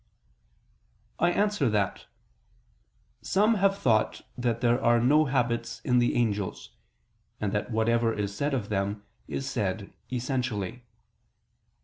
I answer that, Some have thought that there are no habits in the angels, and that whatever is said of them, is said essentially.